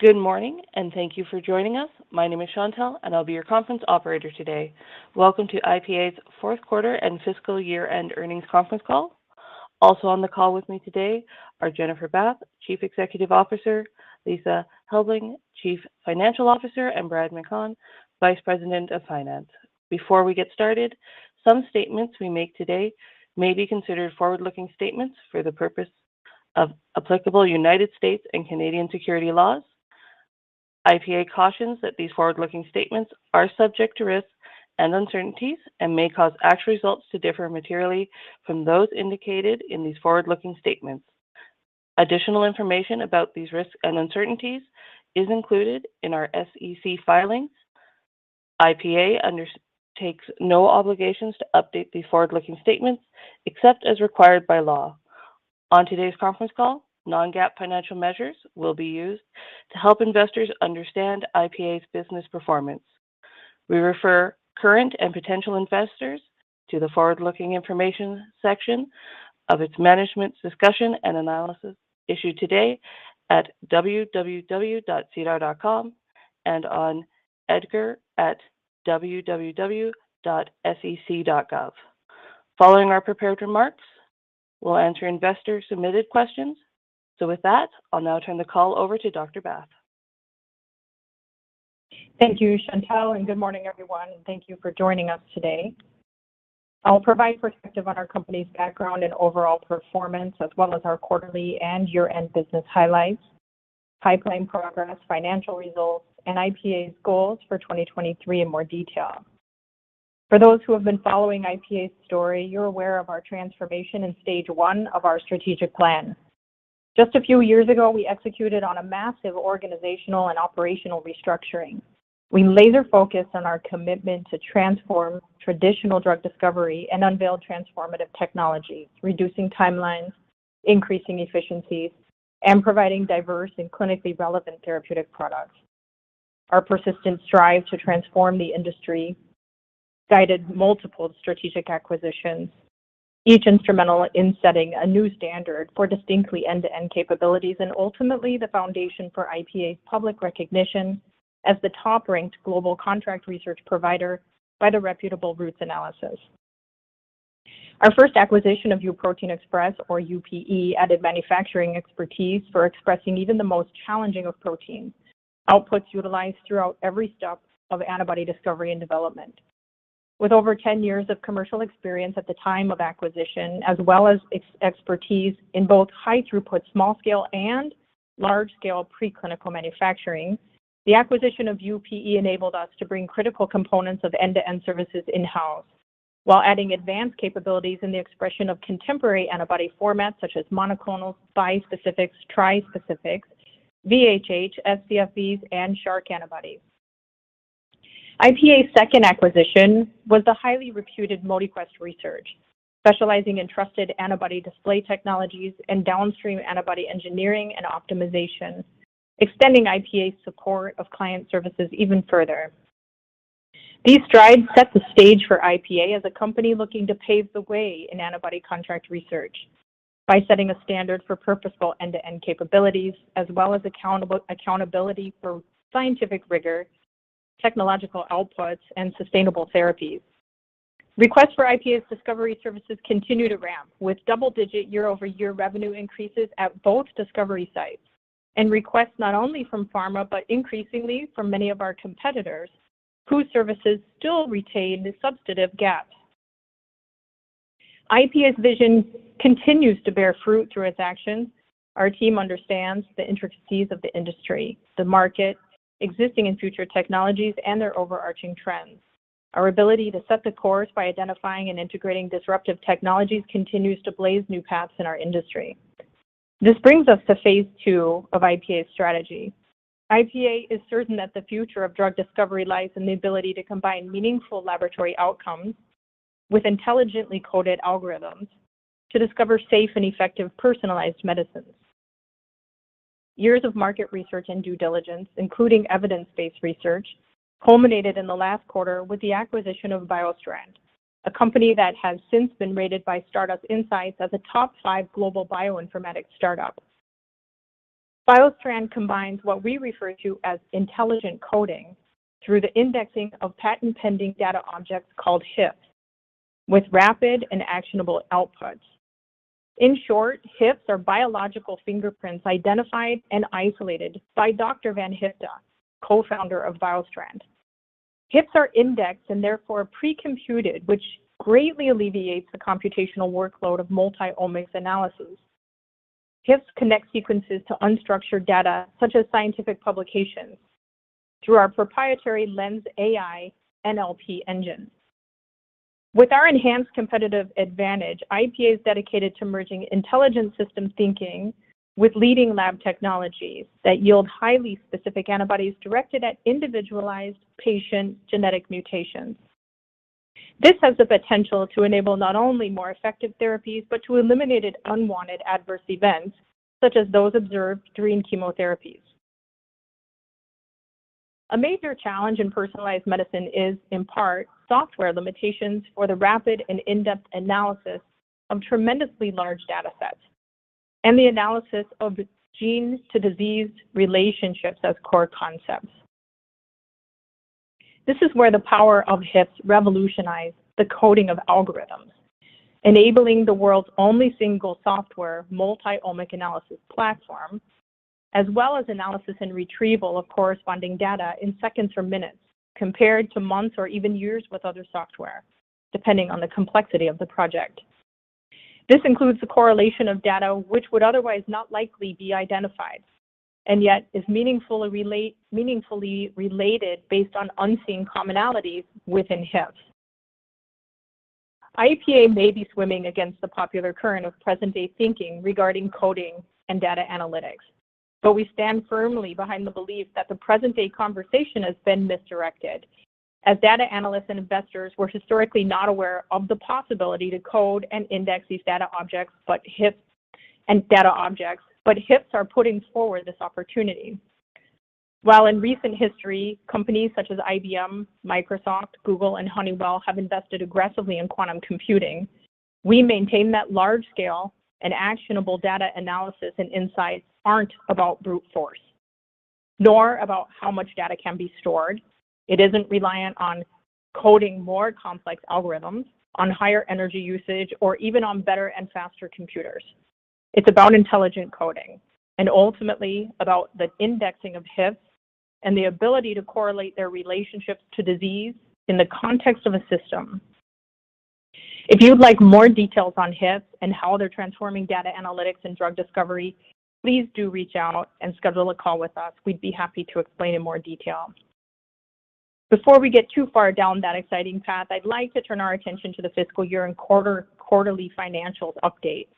Good morning, and thank you for joining us. My name is Chantelle, and I'll be your conference operator today. Welcome to IPA's fourth quarter and fiscal year-end earnings conference call. Also on the call with me today are Jennifer Bath, Chief Executive Officer, Lisa Helbling, Chief Financial Officer, and Brad McConn, Vice President of Finance. Before we get started, some statements we make today may be considered forward-looking statements for the purpose of applicable U.S. and Canadian securities laws. IPA cautions that these forward-looking statements are subject to risks and uncertainties and may cause actual results to differ materially from those indicated in these forward-looking statements. Additional information about these risks and uncertainties is included in our SEC filings. IPA undertakes no obligations to update these forward-looking statements except as required by law. On today's conference call, non-GAAP financial measures will be used to help investors understand IPA's business performance. We refer current and potential investors to the forward-looking information section of its management's discussion and analysis issued today at www.sedar.com and on EDGAR at www.sec.gov. Following our prepared remarks, we'll answer investor-submitted questions. With that, I'll now turn the call over to Dr. Bath. Thank you, Chantelle, and good morning, everyone, and thank you for joining us today. I'll provide perspective on our company's background and overall performance, as well as our quarterly and year-end business highlights, pipeline progress, financial results, and IPA's goals for 2023 in more detail. For those who have been following IPA's story, you're aware of our transformation in stage one of our strategic plan. Just a few years ago, we executed on a massive organizational and operational restructuring. We laser-focused on our commitment to transform traditional drug discovery and unveil transformative technology, reducing timelines, increasing efficiencies, and providing diverse and clinically relevant therapeutic products. Our persistent strive to transform the industry guided multiple strategic acquisitions, each instrumental in setting a new standard for distinctly end-to-end capabilities and ultimately the foundation for IPA's public recognition as the top-ranked global contract research provider by the reputable Roots Analysis. Our first acquisition of U-Protein Express, or UPE, added manufacturing expertise for expressing even the most challenging of proteins, outputs utilized throughout every step of antibody discovery and development. With over 10 years of commercial experience at the time of acquisition, as well as expertise in both high-throughput small-scale and large-scale preclinical manufacturing, the acquisition of UPE enabled us to bring critical components of end-to-end services in-house while adding advanced capabilities in the expression of contemporary antibody formats such as monoclonal, bispecifics, trispecifics, VHH, scFvs, and shark antibodies. IPA's second acquisition was the highly reputed ModiQuest Research, specializing in trusted antibody display technologies and downstream antibody engineering and optimization, extending IPA's support of client services even further. These strides set the stage for IPA as a company looking to pave the way in antibody contract research by setting a standard for purposeful end-to-end capabilities as well as accountability for scientific rigor, technological outputs, and sustainable therapies. Requests for IPA's discovery services continue to ramp with double-digit year-over-year revenue increases at both discovery sites and requests not only from pharma but increasingly from many of our competitors whose services still retain substantive gaps. IPA's vision continues to bear fruit through its actions. Our team understands the intricacies of the industry, the market, existing and future technologies, and their overarching trends. Our ability to set the course by identifying and integrating disruptive technologies continues to blaze new paths in our industry. This brings us to phase II of IPA's strategy. IPA is certain that the future of drug discovery lies in the ability to combine meaningful laboratory outcomes with intelligently coded algorithms to discover safe and effective personalized medicines. Years of market research and due diligence, including evidence-based research, culminated in the last quarter with the acquisition of BioStrand, a company that has since been rated by StartUs Insights as a top five global bioinformatics startup. BioStrand combines what we refer to as intelligent coding through the indexing of patent-pending data objects called HIPS with rapid and actionable outputs. In short, HIPS are biological fingerprints identified and isolated by Dr. Ingrid van Hufda, co-founder of BioStrand. HIPS are indexed and therefore pre-computed, which greatly alleviates the computational workload of multi-omics analysis. HIPS connect sequences to unstructured data, such as scientific publications, through our proprietary LENSai NLP engine. With our enhanced competitive advantage, IPA is dedicated to merging intelligent system thinking with leading lab technologies that yield highly specific antibodies directed at individualized patient genetic mutations. This has the potential to enable not only more effective therapies but to eliminate unwanted adverse events, such as those observed during chemotherapies. A major challenge in personalized medicine is, in part, software limitations for the rapid and in-depth analysis of tremendously large data sets and the analysis of gene to disease relationships as core concepts. This is where the power of HIPS revolutionize the coding of algorithms, enabling the world's only single software multi-omic analysis platform, as well as analysis and retrieval of corresponding data in seconds or minutes, compared to months or even years with other software, depending on the complexity of the project. This includes the correlation of data which would otherwise not likely be identified, and yet is meaningfully related based on unseen commonalities within HIPS. IPA may be swimming against the popular current of present-day thinking regarding coding and data analytics, but we stand firmly behind the belief that the present-day conversation has been misdirected. As data analysts and investors, we're historically not aware of the possibility to code and index these data objects, but HIPS are putting forward this opportunity. While in recent history, companies such as IBM, Microsoft, Google, and Honeywell have invested aggressively in quantum computing, we maintain that large-scale and actionable data analysis and insights aren't about brute force, nor about how much data can be stored. It isn't reliant on coding more complex algorithms, on higher energy usage, or even on better and faster computers. It's about intelligent coding, and ultimately about the indexing of HIPS and the ability to correlate their relationships to disease in the context of a system. If you would like more details on HIPS and how they're transforming data analytics and drug discovery, please do reach out and schedule a call with us. We'd be happy to explain in more detail. Before we get too far down that exciting path, I'd like to turn our attention to the fiscal year-end and quarterly financials updates.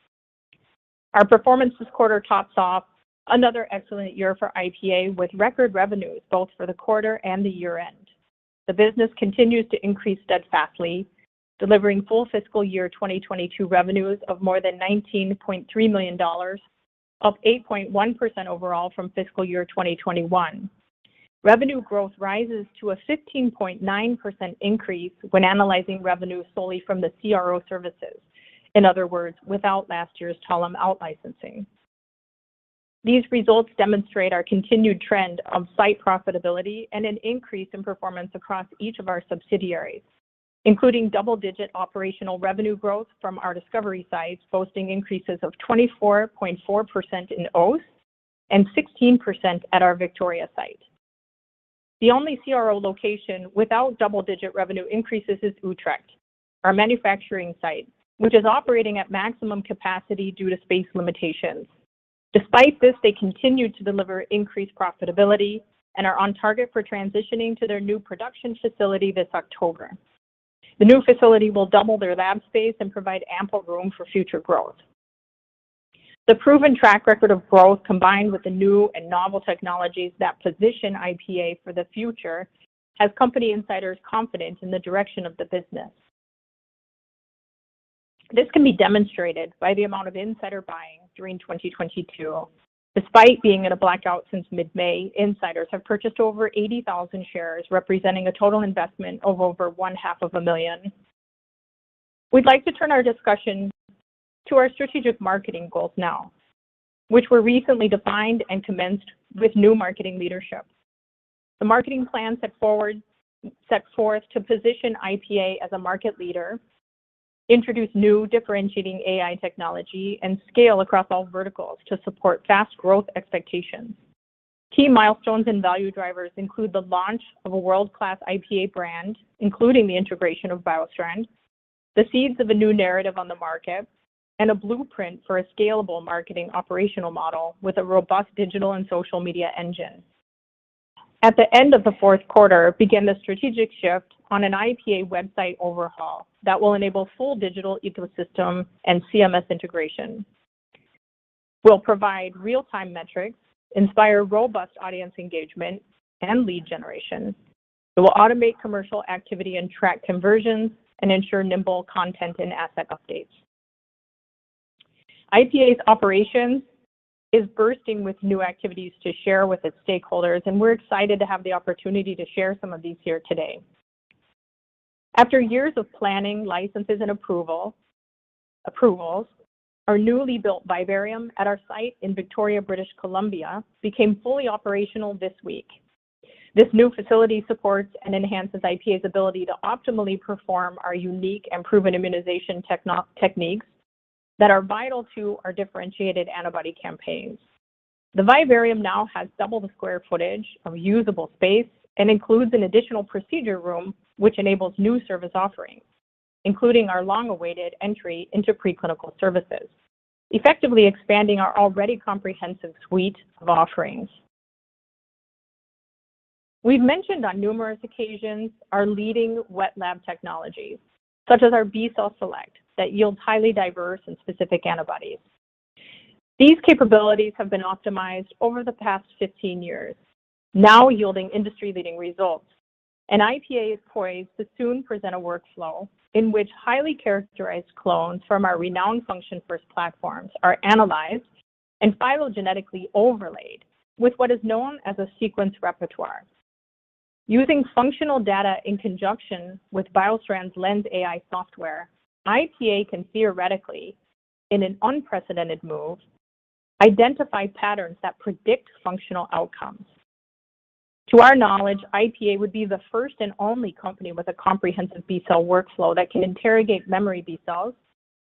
Our performance this quarter tops off another excellent year for IPA with record revenues both for the quarter and the year-end. The business continues to increase steadfastly, delivering full fiscal year 2022 revenues of more than 19.3 million dollars, up 8.1% overall from fiscal year 2021. Revenue growth rises to a 15.9% increase when analyzing revenue solely from the CRO services. In other words, without last year's Talem out-licensing. These results demonstrate our continued trend of site profitability and an increase in performance across each of our subsidiaries, including double-digit operational revenue growth from our discovery sites, posting increases of 24.4% in Oss and 16% at our Victoria site. The only CRO location without double-digit revenue increases is Utrecht, our manufacturing site, which is operating at maximum capacity due to space limitations. Despite this, they continue to deliver increased profitability and are on target for transitioning to their new production facility this October. The new facility will double their lab space and provide ample room for future growth. The proven track record of growth combined with the new and novel technologies that position IPA for the future has company insiders confident in the direction of the business. This can be demonstrated by the amount of insider buying during 2022. Despite being in a blackout since mid-May, insiders have purchased over 80,000 shares, representing a total investment of over one-half of a million CAD. We'd like to turn our discussion to our strategic marketing goals now, which were recently defined and commenced with new marketing leadership. The marketing plan sets forth to position IPA as a market leader, introduce new differentiating AI technology, and scale across all verticals to support fast growth expectations. Key milestones and value drivers include the launch of a world-class IPA brand, including the integration of BioStrand, the seeds of a new narrative on the market, and a blueprint for a scalable marketing operational model with a robust digital and social media engine. At the end of the fourth quarter began the strategic shift on an IPA website overhaul that will enable full digital ecosystem and CMS integration, will provide real-time metrics, inspire robust audience engagement and lead generation. It will automate commercial activity and track conversions, and ensure nimble content and asset updates. IPA's operations is bursting with new activities to share with its stakeholders, and we're excited to have the opportunity to share some of these here today. After years of planning, licenses, and approvals, our newly built vivarium at our site in Victoria, British Columbia became fully operational this week. This new facility supports and enhances IPA's ability to optimally perform our unique and proven immunization techniques that are vital to our differentiated antibody campaigns. The vivarium now has double the square footage of usable space and includes an additional procedure room which enables new service offerings, including our long-awaited entry into pre-clinical services, effectively expanding our already comprehensive suite of offerings. We've mentioned on numerous occasions our leading wet lab technologies, such as our B Cell Select, that yields highly diverse and specific antibodies. These capabilities have been optimized over the past 15 years, now yielding industry-leading results. IPA is poised to soon present a workflow in which highly characterized clones from our renowned function-first platforms are analyzed and phylogenetically overlaid with what is known as a sequence repertoire. Using functional data in conjunction with BioStrand's LENSai software, IPA can theoretically, in an unprecedented move, identify patterns that predict functional outcomes. To our knowledge, IPA would be the first and only company with a comprehensive B cell workflow that can interrogate memory B cells,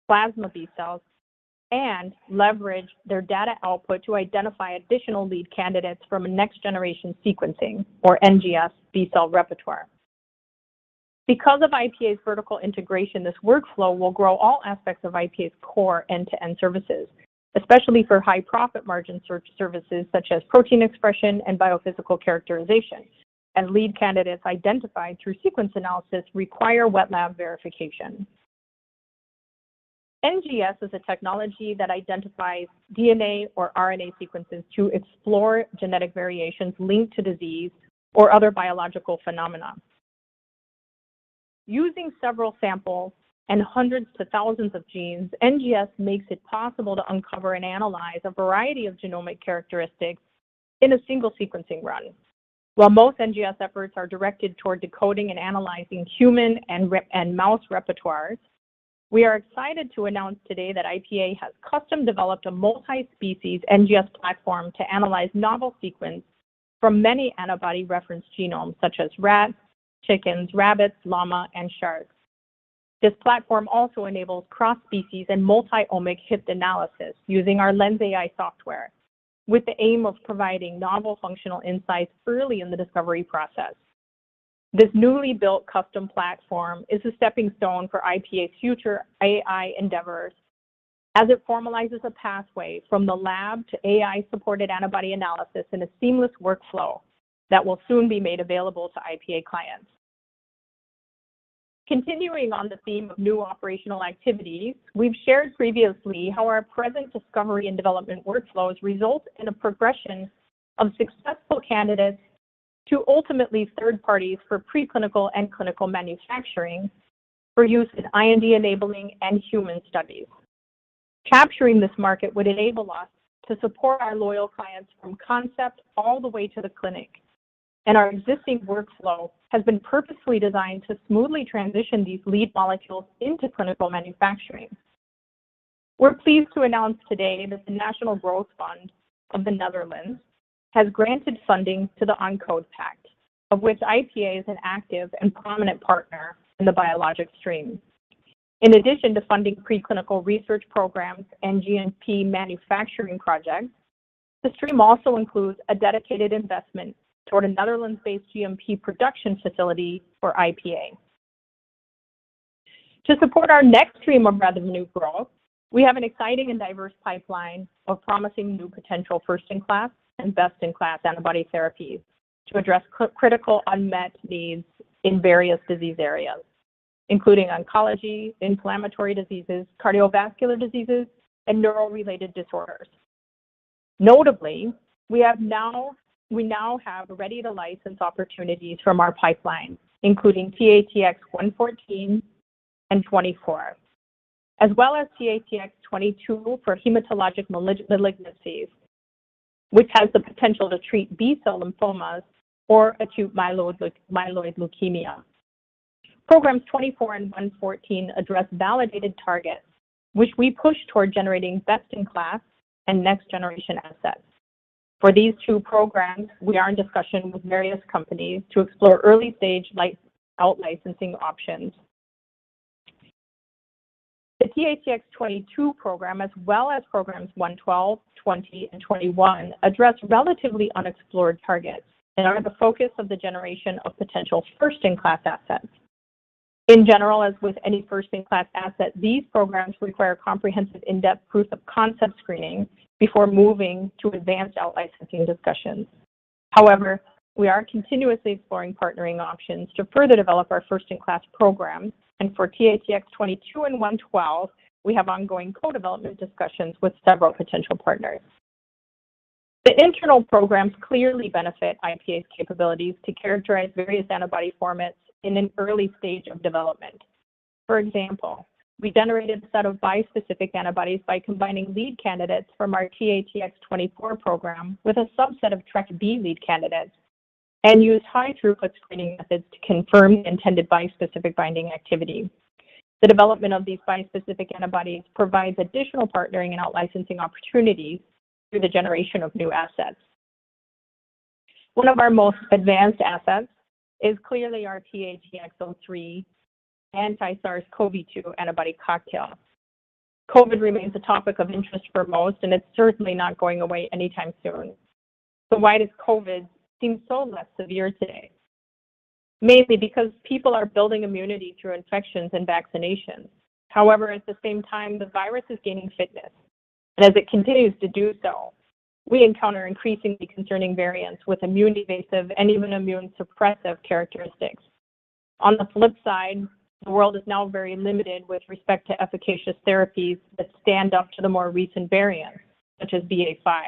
plasma B cells, and leverage their data output to identify additional lead candidates from a next-generation sequencing or NGS B cell repertoire. Because of IPA's vertical integration, this workflow will grow all aspects of IPA's core end-to-end services, especially for high profit margin services such as protein expression and biophysical characterization, as lead candidates identified through sequence analysis require wet lab verification. NGS is a technology that identifies DNA or RNA sequences to explore genetic variations linked to disease or other biological phenomena. Using several samples and hundreds to thousands of genes, NGS makes it possible to uncover and analyze a variety of genomic characteristics in a single sequencing run. While most NGS efforts are directed toward decoding and analyzing human and mouse repertoires, we are excited to announce today that IPA has custom developed a multi-species NGS platform to analyze novel sequence from many antibody reference genomes such as rats, chickens, rabbits, llama, and sharks. This platform also enables cross-species and multi-omics hit analysis using our LENSai software, with the aim of providing novel functional insights early in the discovery process. This newly built custom platform is a stepping stone for IPA's future AI endeavors as it formalizes a pathway from the lab to AI-supported antibody analysis in a seamless workflow that will soon be made available to IPA clients. Continuing on the theme of new operational activities, we've shared previously how our present discovery and development workflows result in a progression of successful candidates to ultimately third parties for preclinical and clinical manufacturing for use in IND enabling and human studies. Capturing this market would enable us to support our loyal clients from concept all the way to the clinic, and our existing workflow has been purposely designed to smoothly transition these lead molecules into clinical manufacturing. We're pleased to announce today that the National Growth Fund of the Netherlands has granted funding to the Oncode-PACT, of which IPA is an active and prominent partner in the biologic stream. In addition to funding preclinical research programs and GMP manufacturing projects, the stream also includes a dedicated investment toward a Netherlands-based GMP production facility for IPA. To support our next stream of revenue growth, we have an exciting and diverse pipeline of promising new potential first-in-class and best-in-class antibody therapies to address critical unmet needs in various disease areas, including oncology, inflammatory diseases, cardiovascular diseases, and neural-related disorders. Notably, we now have ready-to-license opportunities from our pipeline, including THX-114 and 24, as well as THX-22 for hematologic malignancies, which has the potential to treat B-cell lymphomas or acute myeloid leukemia. Programs 24 and 114 address validated targets, which we push toward generating best-in-class and next generation assets. For these two programs, we are in discussion with various companies to explore early-stage out-licensing options. The THX-22 program, as well as programs 112, 20, and 21, address relatively unexplored targets and are the focus of the generation of potential first-in-class assets. In general, as with any first-in-class asset, these programs require comprehensive in-depth proof of concept screening before moving to advanced out-licensing discussions. However, we are continuously exploring partnering options to further develop our first-in-class programs, and for THX-22 and THX-112, we have ongoing co-development discussions with several potential partners. The internal programs clearly benefit IPA's capabilities to characterize various antibody formats in an early stage of development. For example, we generated a set of bispecific antibodies by combining lead candidates from our THX-24 program with a subset of Trec B lead candidates and used high-throughput screening methods to confirm the intended bispecific binding activity. The development of these bispecific antibodies provides additional partnering and out-licensing opportunities through the generation of new assets. One of our most advanced assets is clearly our THX-03 anti-SARS-CoV-2 antibody cocktail. COVID remains a topic of interest for most, and it's certainly not going away anytime soon. Why does COVID seem so less severe today? Mainly because people are building immunity through infections and vaccinations. However, at the same time, the virus is gaining fitness, and as it continues to do so, we encounter increasingly concerning variants with immune-evasive and even immune-suppressive characteristics. On the flip side, the world is now very limited with respect to efficacious therapies that stand up to the more recent variants, such as BA.5.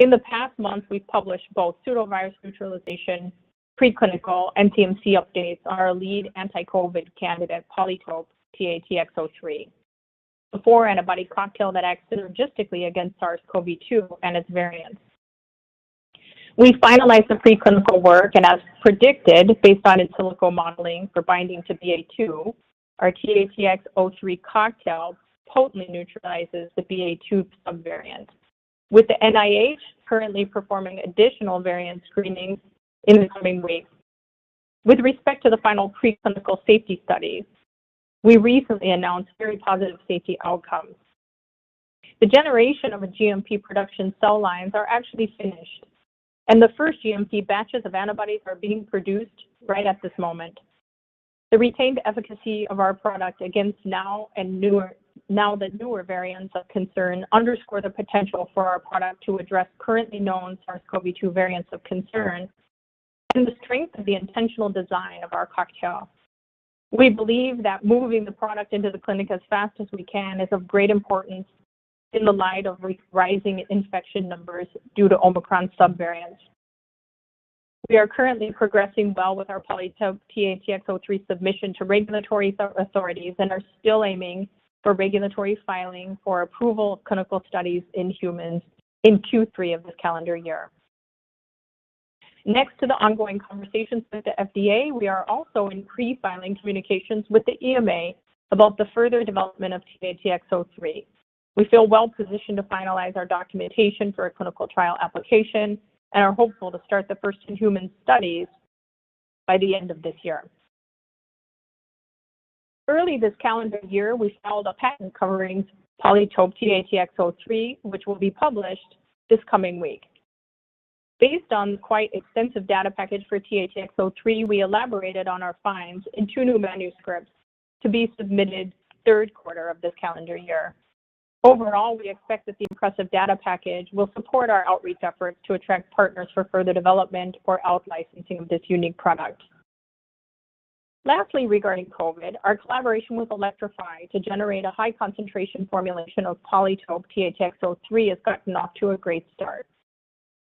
In the past month, we've published both pseudovirus neutralization preclinical and CMC updates, our lead anti-COVID candidate, Polytope THX-03, the four-antibody cocktail that acts synergistically against SARS-CoV-2 and its variants. We finalized the preclinical work, and as predicted, based on in silico modeling for binding to BA.2, our THX-03 cocktail potently neutralizes the BA.2 subvariant, with the NIH currently performing additional variant screening in the coming weeks. With respect to the final preclinical safety study, we recently announced very positive safety outcomes. The generation of a GMP production cell lines are actually finished, and the first GMP batches of antibodies are being produced right at this moment. The retained efficacy of our product against Omicron and newer variants of concern underscore the potential for our product to address currently known SARS-CoV-2 variants of concern and the strength of the intentional design of our cocktail. We believe that moving the product into the clinic as fast as we can is of great importance in the light of rising infection numbers due to Omicron subvariants. We are currently progressing well with our Polytope THX-03 submission to regulatory authorities and are still aiming for regulatory filing for approval of clinical studies in humans in Q3 of this calendar year. Next to the ongoing conversations with the FDA, we are also in pre-filing communications with the EMA about the further development of THX-03. We feel well positioned to finalize our documentation for a clinical trial application and are hopeful to start the first-in-human studies by the end of this year. Early this calendar year, we filed a patent covering Polytope THX-03, which will be published this coming week. Based on quite extensive data package for THX-03, we elaborated on our findings in two new manuscripts to be submitted third quarter of this calendar year. Overall, we expect that the impressive data package will support our outreach efforts to attract partners for further development or out-licensing of this unique product. Lastly, regarding COVID, our collaboration with Elektrofi to generate a high concentration formulation of Polytope THX-03 has gotten off to a great start.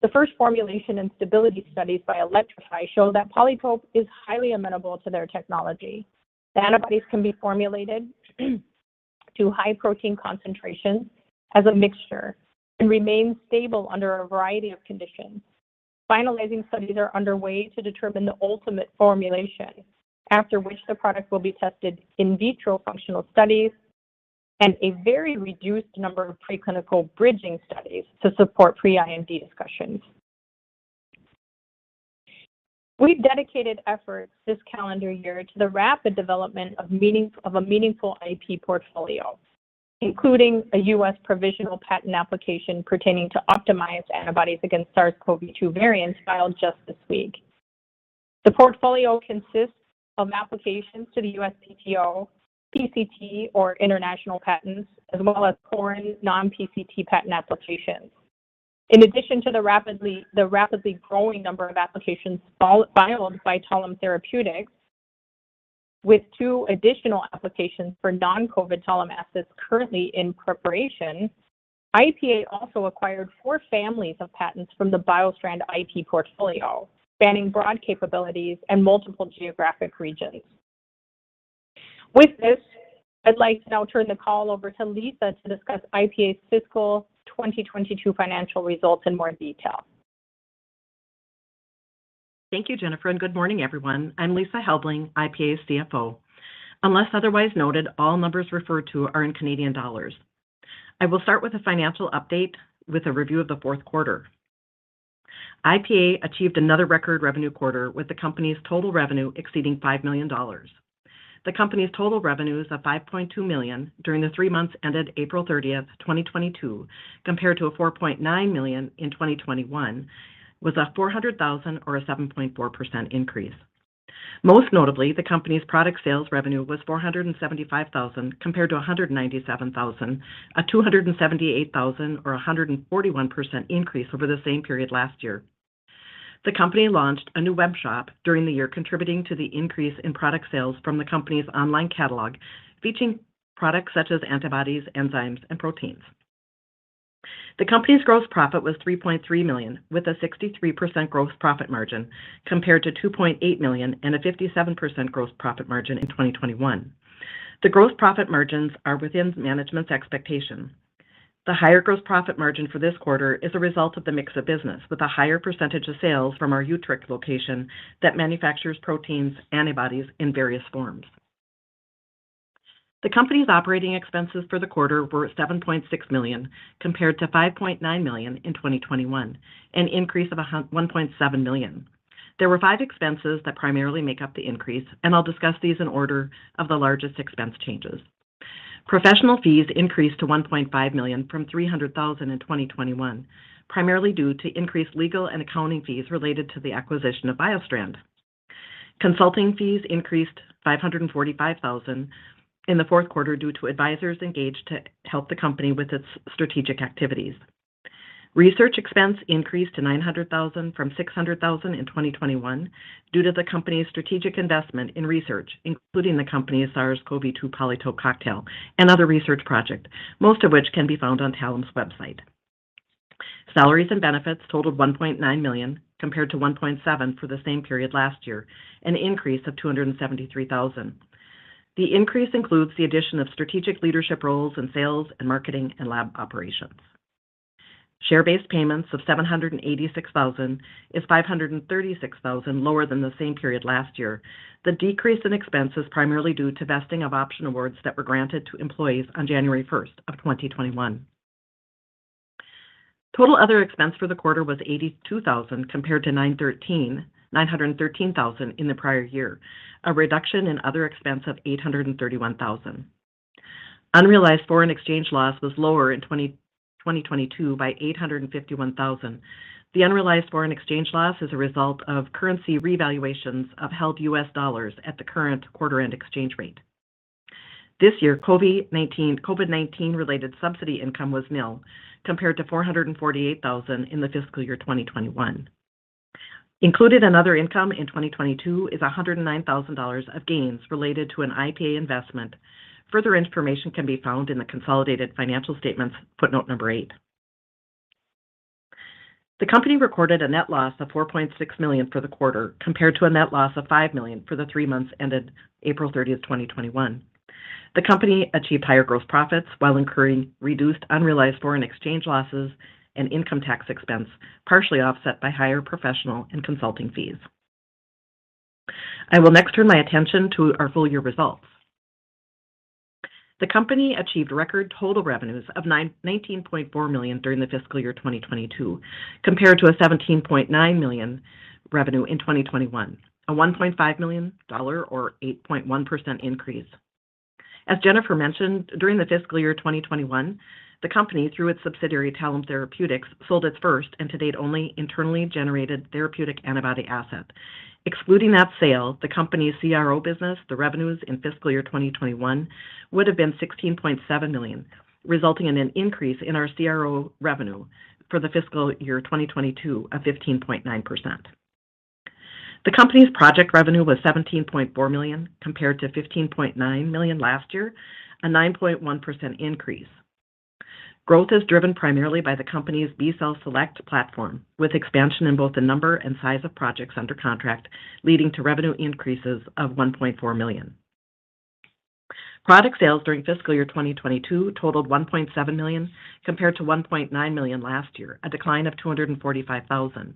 The first formulation and stability studies by Elektrofi show that Polytope is highly amenable to their technology. The antibodies can be formulated to high protein concentrations as a mixture and remain stable under a variety of conditions. Finalizing studies are underway to determine the ultimate formulation, after which the product will be tested in vitro functional studies and a very reduced number of preclinical bridging studies to support pre-IND discussions. We've dedicated efforts this calendar year to the rapid development of a meaningful IP portfolio, including a U.S. provisional patent application pertaining to optimized antibodies against SARS-CoV-2 variants filed just this week. The portfolio consists of applications to the USPTO, PCT, or international patents, as well as foreign non-PCT patent applications. In addition to the rapidly growing number of applications filed by Talem Therapeutics, with two additional applications for non-COVID Talem assets currently in preparation, IPA also acquired four families of patents from the BioStrand IP portfolio, spanning broad capabilities and multiple geographic regions. With this, I'd like to now turn the call over to Lisa to discuss IPA's fiscal 2022 financial results in more detail. Thank you, Jennifer, and good morning, everyone. I'm Lisa Helbling, IPA's CFO. Unless otherwise noted, all numbers referred to are in Canadian dollars. I will start with a financial update with a review of the fourth quarter. IPA achieved another record revenue quarter, with the company's total revenue exceeding 5 million dollars. The company's total revenues of 5.2 million during the three months ended April 30th, 2022, compared to 4.9 million in 2021, was a 400,000 or a 7.4% increase. Most notably, the company's product sales revenue was 475,000 compared to 197,000, a 278,000 or a 141% increase over the same period last year. The company launched a new web shop during the year, contributing to the increase in product sales from the company's online catalog, featuring products such as antibodies, enzymes, and proteins. The company's gross profit was 3.3 million, with a 63% gross profit margin, compared to 2.8 million and a 57% gross profit margin in 2021. The gross profit margins are within management's expectation. The higher gross profit margin for this quarter is a result of the mix of business, with a higher percentage of sales from our Utrecht location that manufactures proteins, antibodies in various forms. The company's operating expenses for the quarter were 7.6 million, compared to 5.9 million in 2021, an increase of 1.7 million. There were five expenses that primarily make up the increase, and I'll discuss these in order of the largest expense changes. Professional fees increased to 1.5 million from 300,000 in 2021, primarily due to increased legal and accounting fees related to the acquisition of BioStrand. Consulting fees increased 545,000 in the fourth quarter due to advisors engaged to help the company with its strategic activities. Research expense increased to 900,000 from 600,000 in 2021 due to the company's strategic investment in research, including the company's SARS-CoV-2 Polytope cocktail and other research project, most of which can be found on Talem's website. Salaries and benefits totaled 1.9 million, compared to 1.7 million for the same period last year, an increase of 273,000. The increase includes the addition of strategic leadership roles in sales and marketing and lab operations. Share-based payments of 786,000 is 536,000 lower than the same period last year. The decrease in expense is primarily due to vesting of option awards that were granted to employees on January 1st of 2021. Total other expense for the quarter was 82,000 compared to 913,000 in the prior year, a reduction in other expense of 831,000. Unrealized foreign exchange loss was lower in 2022 by 851,000. The unrealized foreign exchange loss is a result of currency revaluations of held U.S. dollars at the current quarter end exchange rate. This year, COVID-19-related subsidy income was nil, compared to 448,000 in the fiscal year 2021. Included in other income in 2022 is $109,000 of gains related to an IPA investment. Further information can be found in the consolidated financial statements footnote 8. The company recorded a net loss of 4.6 million for the quarter, compared to a net loss of 5 million for the three months ended April 30th, 2021. The company achieved higher gross profits while incurring reduced unrealized foreign exchange losses and income tax expense, partially offset by higher professional and consulting fees. I will next turn my attention to our full year results. The company achieved record total revenues of 19.4 million during the fiscal year 2022, compared to 17.9 million revenue in 2021, a $1.5 million or 8.1% increase. Jennifer mentioned, during the fiscal year 2021, the company, through its subsidiary, Talem Therapeutics, sold its first and to date only internally generated therapeutic antibody asset. Excluding that sale, the company's CRO business, the revenues in fiscal year 2021 would have been 16.7 million, resulting in an increase in our CRO revenue for the fiscal year 2022 of 15.9%. The company's project revenue was 17.4 million, compared to 15.9 million last year, a 9.1% increase. Growth is driven primarily by the company's B Cell Select platform, with expansion in both the number and size of projects under contract leading to revenue increases of 1.4 million. Product sales during fiscal year 2022 totaled 1.7 million, compared to 1.9 million last year, a decline of 245,000.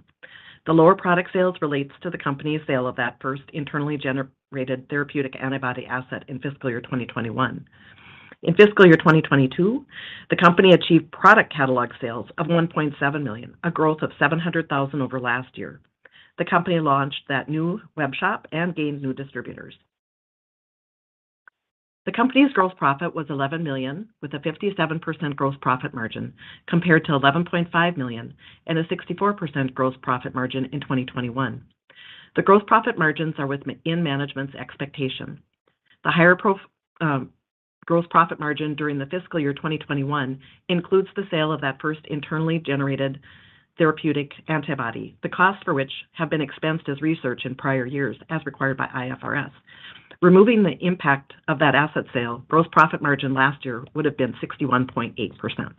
The lower product sales relates to the company's sale of that first internally generated therapeutic antibody asset in fiscal year 2021. In fiscal year 2022, the company achieved product catalog sales of 1.7 million, a growth of 700,000 over last year. The company launched that new web shop and gained new distributors. The company's gross profit was 11 million, with a 57% gross profit margin, compared to 11.5 million and a 64% gross profit margin in 2021. The gross profit margins are within management's expectation. The higher gross profit margin during the fiscal year 2021 includes the sale of that first internally generated therapeutic antibody, the costs for which have been expensed as research in prior years, as required by IFRS. Removing the impact of that asset sale, gross profit margin last year would have been 61.8%.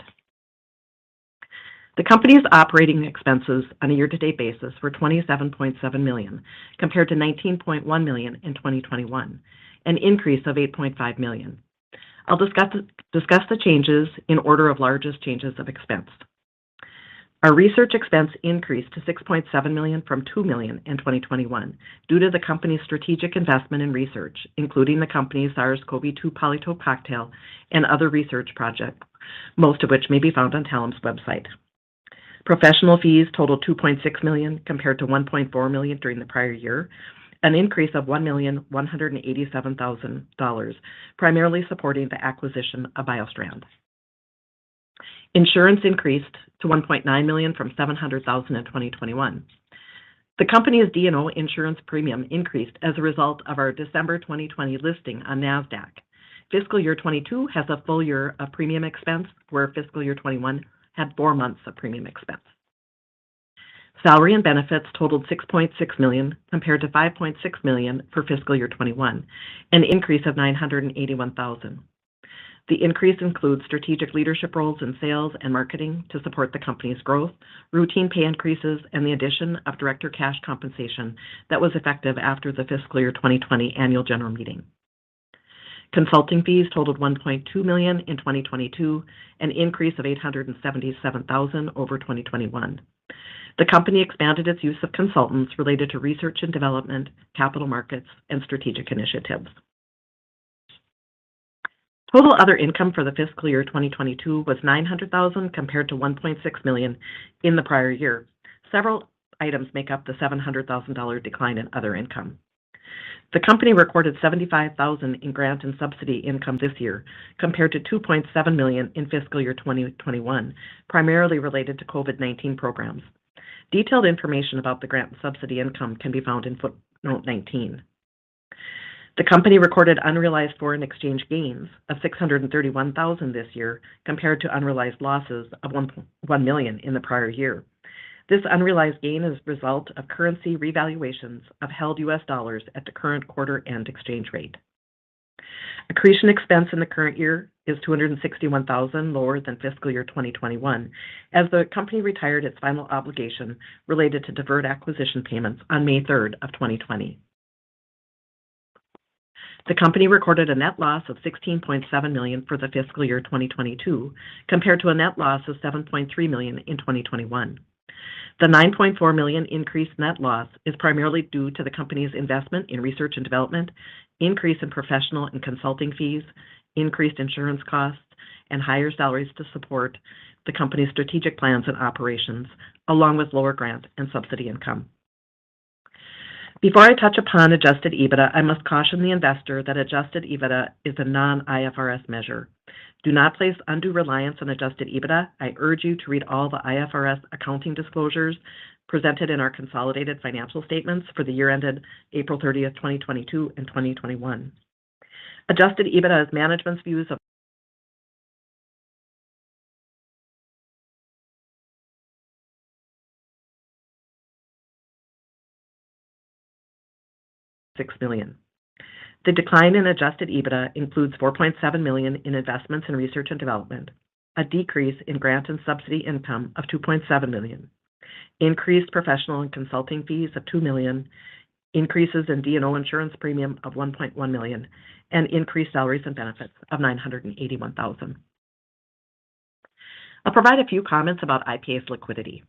The company's operating expenses on a year-to-date basis were 27.7 million, compared to 19.1 million in 2021, an increase of 8.5 million. I'll discuss the changes in order of largest changes of expense. Our research expense increased to 6.7 million from 2 million in 2021 due to the company's strategic investment in research, including the company's SARS-CoV-2 Polytope cocktail and other research projects, most of which may be found on Talem's website. Professional fees totaled 2.6 million, compared to 1.4 million during the prior year, an increase of 1,187,000 dollars, primarily supporting the acquisition of BioStrand. Insurance increased to 1.9 million from 700,000 in 2021. The company's D&O insurance premium increased as a result of our December 2020 listing on NASDAQ. Fiscal year 2022 has a full year of premium expense, where fiscal year 2021 had four months of premium expense. Salary and benefits totaled 6.6 million, compared to 5.6 million for fiscal year 2021, an increase of 981,000. The increase includes strategic leadership roles in sales and marketing to support the company's growth, routine pay increases, and the addition of director cash compensation that was effective after the fiscal year 2020 annual general meeting. Consulting fees totaled 1.2 million in 2022, an increase of 877,000 over 2021. The company expanded its use of consultants related to research and development, capital markets, and strategic initiatives. Total other income for the fiscal year 2022 was 900,000, compared to 1.6 million in the prior year. Several items make up the $700,000 decline in other income. The company recorded 75,000 in grant and subsidy income this year, compared to 2.7 million in fiscal year 2021, primarily related to COVID-19 programs. Detailed information about the grant and subsidy income can be found in footnote 19. The company recorded unrealized foreign exchange gains of 631,000 this year, compared to unrealized losses of 1.1 million in the prior year. This unrealized gain is a result of currency revaluations of held US dollars at the current quarter end exchange rate. Accretion expense in the current year is 261,000 lower than fiscal year 2021, as the company retired its final obligation related to deferred acquisition payments on May 3rd, 2020. The company recorded a net loss of 16.7 million for the fiscal year 2022, compared to a net loss of 7.3 million in 2021. The 9.4 million increased net loss is primarily due to the company's investment in research and development, increase in professional and consulting fees, increased insurance costs, and higher salaries to support the company's strategic plans and operations, along with lower grant and subsidy income. Before I touch upon adjusted EBITDA, I must caution the investor that adjusted EBITDA is a non-IFRS measure. Do not place undue reliance on adjusted EBITDA. I urge you to read all the IFRS accounting disclosures presented in our consolidated financial statements for the year ended April 30th, 2022 and 2021. Adjusted EBITDA is management's views of 6 million. The decline in adjusted EBITDA includes 4.7 million in investments in research and development, a decrease in grant and subsidy income of 2.7 million, increased professional and consulting fees of 2 million, increases in D&O insurance premium of 1.1 million, and increased salaries and benefits of 981,000. I'll provide a few comments about IPA's liquidity.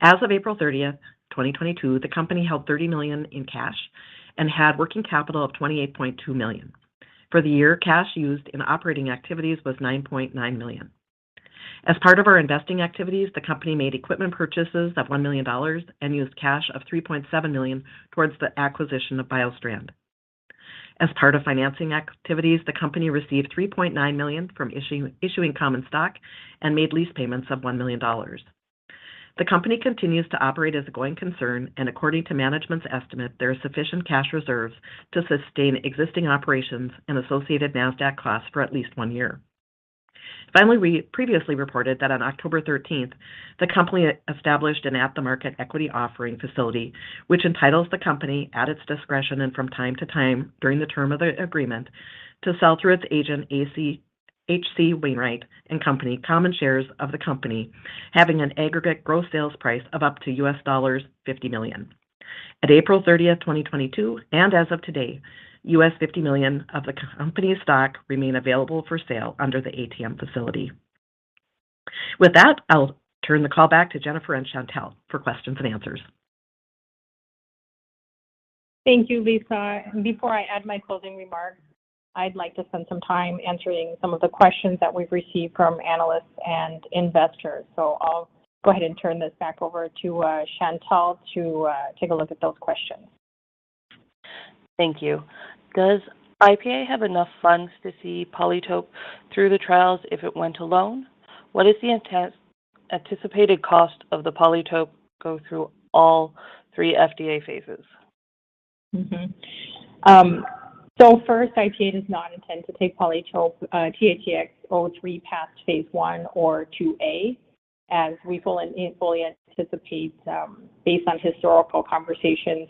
As of April 30th, 2022, the company held 30 million in cash and had working capital of 28.2 million. For the year, cash used in operating activities was 9.9 million. As part of our investing activities, the company made equipment purchases of $1 million and used cash of $3.7 million towards the acquisition of BioStrand. As part of financing activities, the company received $3.9 million from issuing common stock and made lease payments of $1 million. The company continues to operate as a going concern, and according to management's estimate, there are sufficient cash reserves to sustain existing operations and associated NASDAQ costs for at least one year. Finally, we previously reported that on October 13th, the company established an at-the-market equity offering facility, which entitles the company, at its discretion and from time to time during the term of the agreement, to sell through its agent, H.C. Wainwright & Co., common shares of the company, having an aggregate gross sales price of up to $50 million. As of April 30th, 2022, and as of today, $50 million of the company's stock remain available for sale under the ATM facility. With that, I'll turn the call back to Jennifer and Chantelle for questions and answers. Thank you, Lisa. Before I add my closing remarks, I'd like to spend some time answering some of the questions that we've received from analysts and investors. I'll go ahead and turn this back over to Chantelle to take a look at those questions. Thank you. Does IPA have enough funds to see Polytope through the trials if it went alone? What is the anticipated cost of the Polytope go through all three FDA phases? First, IPA does not intend to take Polytope THX-03 past phase I or 2A, as we fully anticipate, based on historical conversations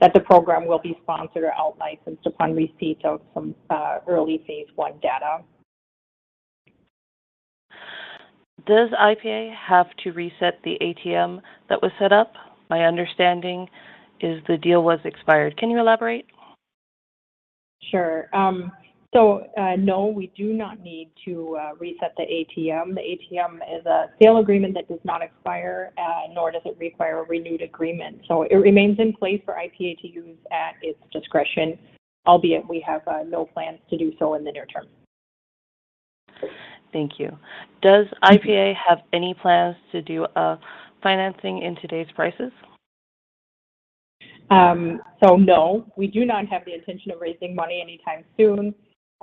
that the program will be sponsored or out-licensed upon receipt of some early phase I data. Does IPA have to reset the ATM that was set up? My understanding is the deal was expired. Can you elaborate? Sure. No, we do not need to reset the ATM. The ATM is a sale agreement that does not expire, nor does it require a renewed agreement. It remains in place for IPA to use at its discretion, albeit we have no plans to do so in the near term. Thank you. Does IPA have any plans to do a financing in today's prices? No, we do not have the intention of raising money anytime soon.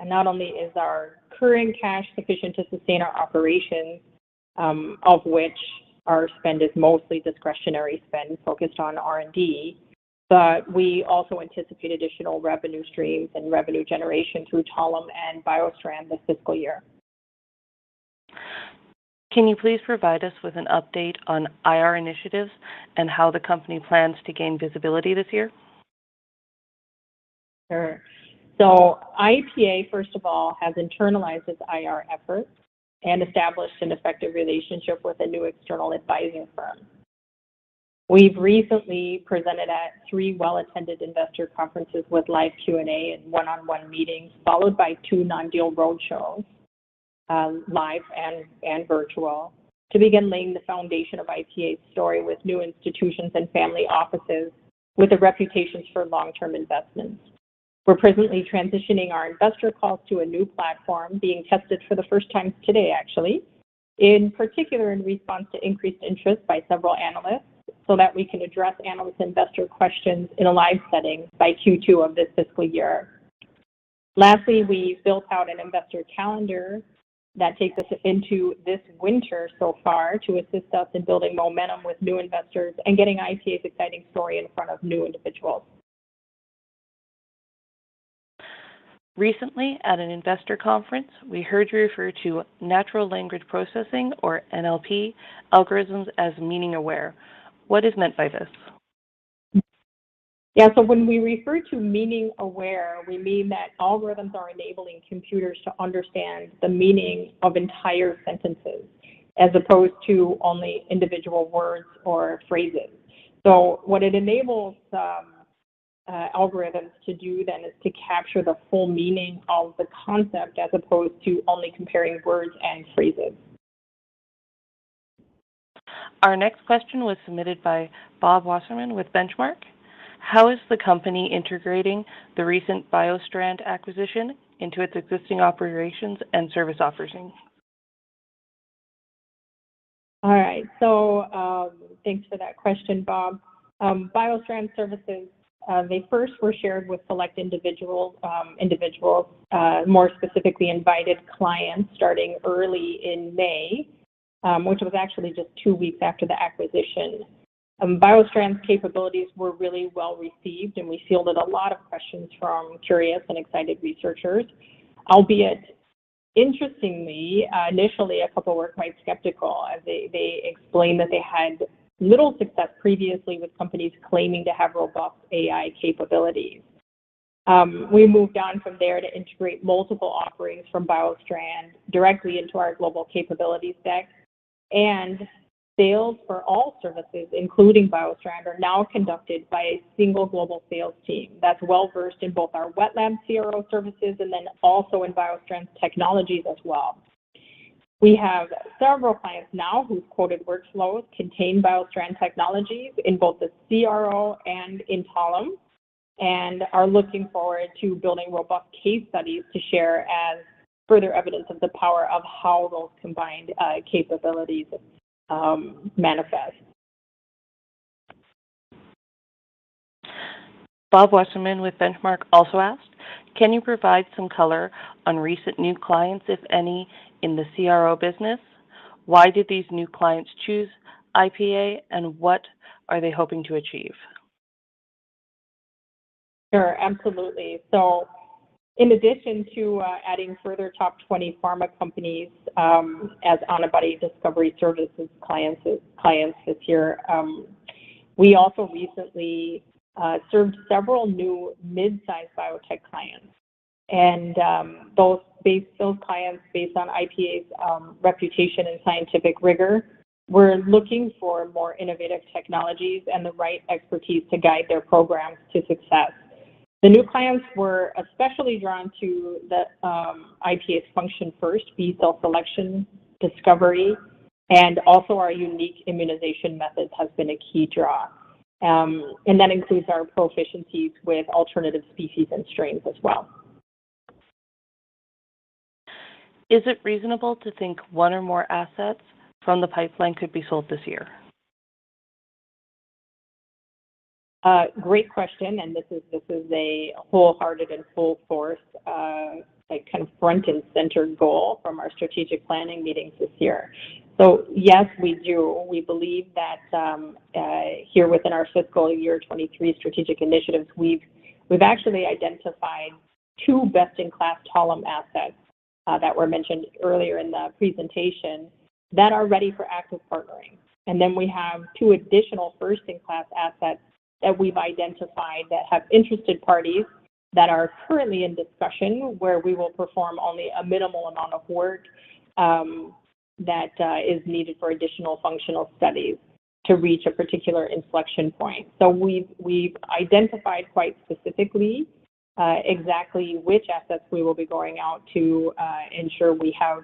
Not only is our current cash sufficient to sustain our operations, of which our spend is mostly discretionary spend focused on R&D, but we also anticipate additional revenue streams and revenue generation through Talem and BioStrand this fiscal year. Can you please provide us with an update on IR initiatives and how the company plans to gain visibility this year? Sure. IPA, first of all, has internalized its IR efforts and established an effective relationship with a new external advising firm. We've recently presented at three well-attended investor conferences with live Q&A and one-on-one meetings, followed by two non-deal roadshows, live and virtual, to begin laying the foundation of IPA's story with new institutions and family offices with the reputations for long-term investments. We're presently transitioning our investor calls to a new platform being tested for the first time today, actually, in particular in response to increased interest by several analysts so that we can address analyst investor questions in a live setting by Q2 of this fiscal year. Lastly, we built out an investor calendar that takes us into this winter so far to assist us in building momentum with new investors and getting IPA's exciting story in front of new individuals. Recently, at an investor conference, we heard you refer to natural language processing or NLP algorithms as meaning aware. What is meant by this? Yeah. When we refer to meaning aware, we mean that algorithms are enabling computers to understand the meaning of entire sentences as opposed to only individual words or phrases. What it enables algorithms to do then is to capture the full meaning of the concept as opposed to only comparing words and phrases. Our next question was submitted by Robert Wasserman with Benchmark. How is the company integrating the recent BioStrand acquisition into its existing operations and service offerings? All right. Thanks for that question, Bob. BioStrand services, they first were shared with select individuals, more specifically invited clients starting early in May, which was actually just two weeks after the acquisition. BioStrand's capabilities were really well-received, and we fielded a lot of questions from curious and excited researchers. Albeit interestingly, initially a couple were quite skeptical as they explained that they had little success previously with companies claiming to have robust AI capabilities. We moved on from there to integrate multiple offerings from BioStrand directly into our global capability stack and sales for all services, including BioStrand, are now conducted by a single global sales team that's well-versed in both our wet-lab CRO services and then also in BioStrand's technologies as well. We have several clients now whose quoted workflows contain BioStrand technologies in both the CRO and in Talem, and are looking forward to building robust case studies to share as further evidence of the power of how those combined capabilities manifest. Bob Wasserman with Benchmark also asked, "Can you provide some color on recent new clients, if any, in the CRO business? Why did these new clients choose IPA, and what are they hoping to achieve? Sure. Absolutely. In addition to adding further top 20 pharma companies as antibody discovery services clients this year, we also recently served several new mid-sized biotech clients. Those clients based on IPA's reputation and scientific rigor were looking for more innovative technologies and the right expertise to guide their programs to success. The new clients were especially drawn to the IPA's functional first B cell Select discovery, and also our unique immunization methods has been a key draw. That includes our proficiencies with alternative species and strains as well. Is it reasonable to think one or more assets from the pipeline could be sold this year? Great question, this is a wholehearted and full force, like, kind of front and center goal from our strategic planning meetings this year. Yes, we do. We believe that, here within our fiscal year 2023 strategic initiatives, we've actually identified two best-in-class Talem assets, that were mentioned earlier in the presentation that are ready for active partnering. Then we have two additional first-in-class assets that we've identified that have interested parties that are currently in discussion, where we will perform only a minimal amount of work, that is needed for additional functional studies to reach a particular inflection point. We've identified quite specifically exactly which assets we will be going out to ensure we have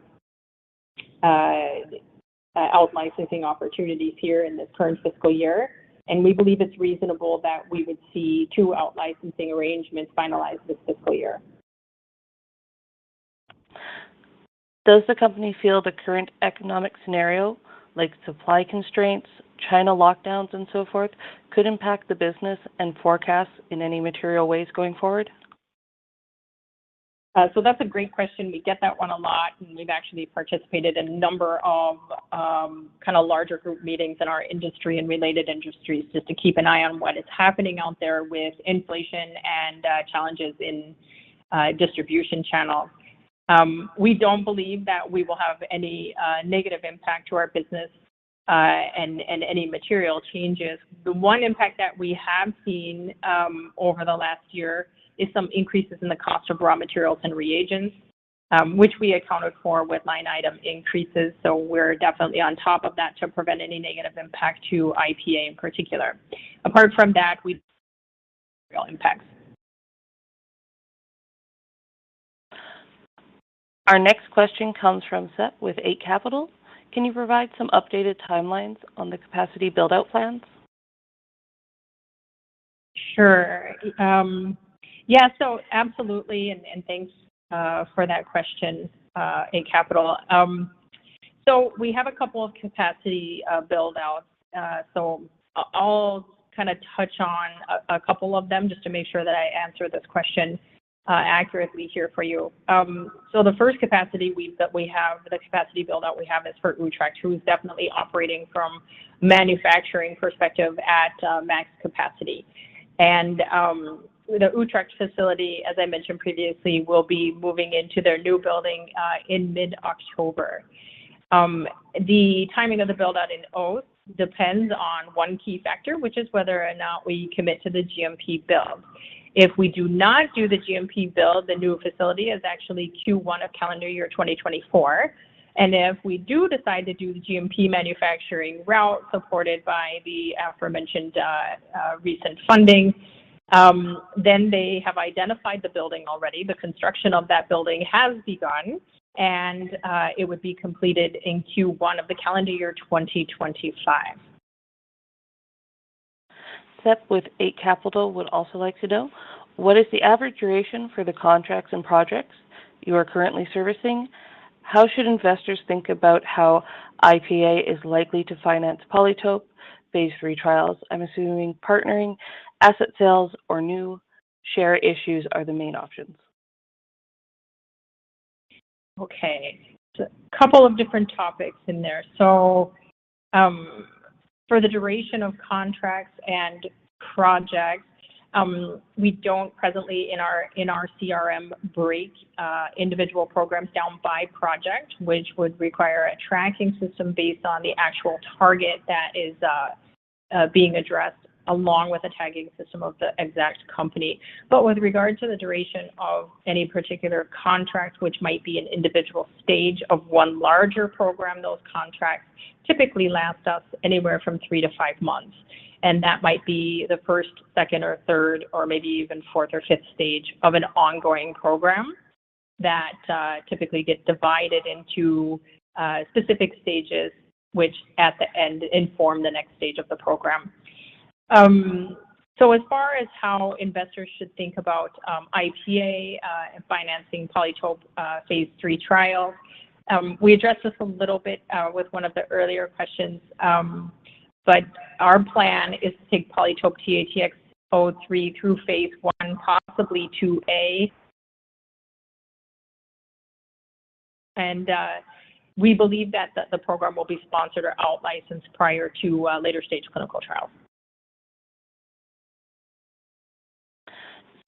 out-licensing opportunities here in this current fiscal year, and we believe it's reasonable that we would see two out-licensing arrangements finalized this fiscal year. Does the company feel the current economic scenario, like supply constraints, China lockdowns, and so forth, could impact the business and forecasts in any material ways going forward? That's a great question. We get that one a lot, and we've actually participated in a number of kind of larger group meetings in our industry and related industries just to keep an eye on what is happening out there with inflation and challenges in distribution channels. We don't believe that we will have any negative impact to our business and any material changes. The one impact that we have seen over the last year is some increases in the cost of raw materials and reagents which we accounted for with line item increases. We're definitely on top of that to prevent any negative impact to IPA in particular. Our next question comes from Sebastien with Eight Capital. Can you provide some updated timelines on the capacity build-out plans? Sure. Yeah, so absolutely, and thanks for that question, Eight Capital. So we have a couple of capacity build-outs. So I'll kind of touch on a couple of them just to make sure that I answer this question accurately here for you. So the first capacity that we have, the capacity build-out we have is for Utrecht, who is definitely operating from manufacturing perspective at max capacity. The Utrecht facility, as I mentioned previously, will be moving into their new building in mid-October. The timing of the build-out in Ghent depends on one key factor, which is whether or not we commit to the GMP build. If we do not do the GMP build, the new facility is actually Q1 of calendar year 2024. If we do decide to do the GMP manufacturing route supported by the aforementioned recent funding, then they have identified the building already. The construction of that building has begun, and it would be completed in Q1 of the calendar year 2025. Sep with Eight Capital would also like to know, what is the average duration for the contracts and projects you are currently servicing? How should investors think about how IPA is likely to finance Polytope phase III trials? I'm assuming partnering, asset sales or new share issues are the main options. Okay. A couple of different topics in there. For the duration of contracts and projects, we don't presently in our CRM break individual programs down by project, which would require a tracking system based on the actual target that is being addressed, along with a tagging system of the exact company. With regards to the duration of any particular contract, which might be an individual stage of one larger program, those contracts typically last us anywhere from three to five months. That might be the first, second, or third, or maybe even fourth or fifth stage of an ongoing program that typically gets divided into specific stages, which at the end inform the next stage of the program. As far as how investors should think about IPA financing Polytope phase III trials, we addressed this a little bit with one of the earlier questions. Our plan is to take Polytope THX 03 through phase I, possibly 2A. We believe that the program will be sponsored or outlicensed prior to later-stage clinical trials.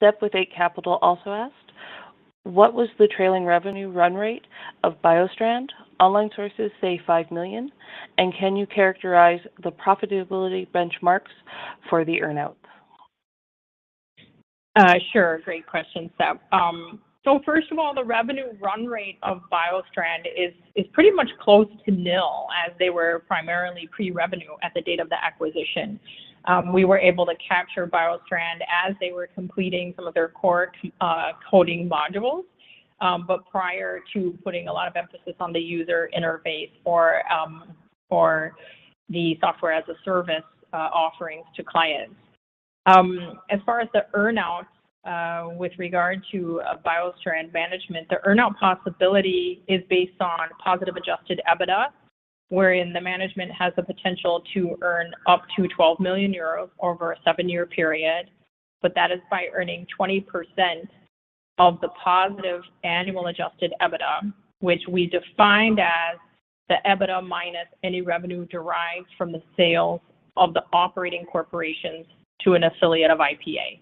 Sebastien Arsenault with Eight Capital also asked, what was the trailing revenue run rate of BioStrand? Online sources say 5 million. Can you characterize the profitability benchmarks for the earn-out? Sure. Great question, Sebastien. First of all, the revenue run rate of BioStrand is pretty much close to nil, as they were primarily pre-revenue at the date of the acquisition. We were able to capture BioStrand as they were completing some of their core coding modules, but prior to putting a lot of emphasis on the user interface or the software as a service offerings to clients. As far as the earn-out, with regard to BioStrand management, the earn-out possibility is based on positive adjusted EBITDA, wherein the management has the potential to earn up to 12 million euros over a seven-year period, but that is by earning 20% of the positive annual adjusted EBITDA, which we defined as the EBITDA minus any revenue derived from the sale of the operating corporations to an affiliate of IPA.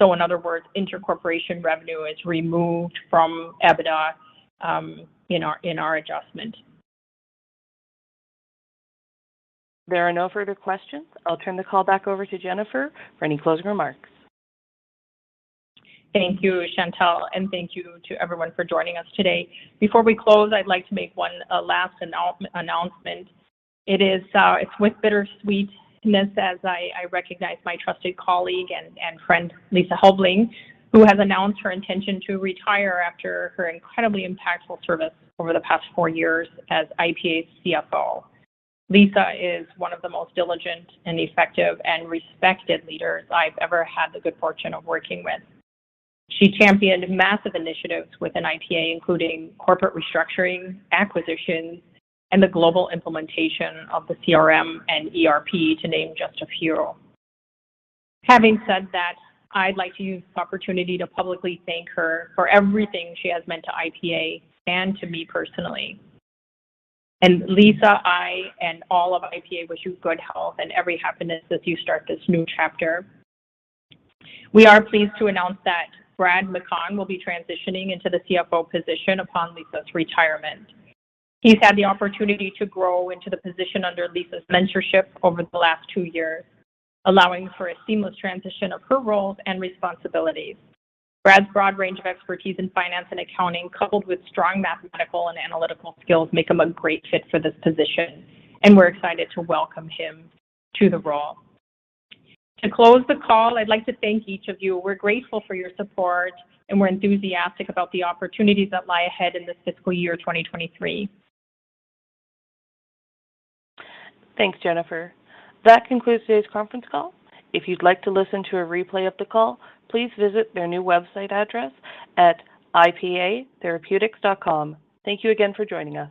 In other words, intercorporation revenue is removed from EBITDA in our adjustment. There are no further questions. I'll turn the call back over to Jennifer for any closing remarks. Thank you, Chantelle, and thank you to everyone for joining us today. Before we close, I'd like to make one last announcement. It's with bittersweetness as I recognize my trusted colleague and friend, Lisa Helbling, who has announced her intention to retire after her incredibly impactful service over the past four years as IPA CFO. Lisa is one of the most diligent and effective and respected leaders I've ever had the good fortune of working with. She championed massive initiatives within MindWalk, including corporate restructuring, acquisitions, and the global implementation of the CRM and ERP, to name just a few. Having said that, I'd like to use this opportunity to publicly thank her for everything she has meant to MindWalk and to me personally. Lisa, I and all of MindWalk wish you good health and every happiness as you start this new chapter. We are pleased to announce that Brad McConn will be transitioning into the CFO position upon Lisa's retirement. He's had the opportunity to grow into the position under Lisa's mentorship over the last two years, allowing for a seamless transition of her roles and responsibilities. Brad's broad range of expertise in finance and accounting, coupled with strong mathematical and analytical skills, make him a great fit for this position, and we're excited to welcome him to the role. To close the call, I'd like to thank each of you. We're grateful for your support, and we're enthusiastic about the opportunities that lie ahead in this fiscal year 2023. Thanks, Jennifer. That concludes today's conference call. If you'd like to listen to a replay of the call, please visit their new website address at ipatherapeutics.com. Thank you again for joining us.